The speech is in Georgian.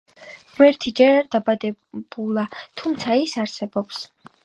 ღმერთი ჯერ არ დაბადებულა, თუმცა ის არსებობს.